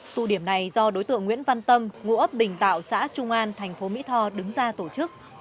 tụ điểm này do đối tượng nguyễn văn tâm ngụ ấp bình tạo xã trung an thành phố mỹ tho đứng ra tổ chức